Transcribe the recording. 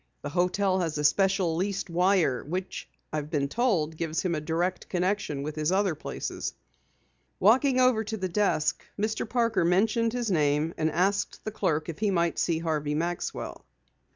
The hotel has a special leased wire which I've been told gives him a direct connection with his other places." Walking over to the desk, Mr. Parker mentioned his name and asked the clerk if he might see Harvey Maxwell.